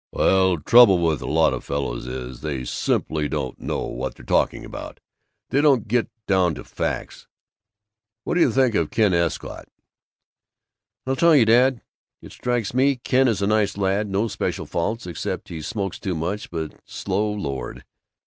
"Well, the trouble with a lot of these fellows is, they simply don't know what they're talking about. They don't get down to facts.... What do you think of Ken Escott?" "I'll tell you, dad: it strikes me Ken is a nice lad; no special faults except he smokes too much; but slow, Lord!